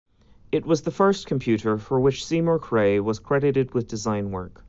It was the first computer for which Seymour Cray was credited with design work.